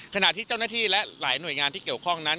ขณะที่เจ้าหน้าที่และหลายหน่วยงานที่เกี่ยวข้องนั้น